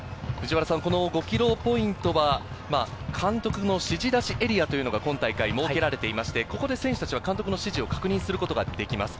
５ｋｍポイントは監督の指示出しエリアというのが今大会は設けられていまして、選手たちは監督の指示を確認することができます。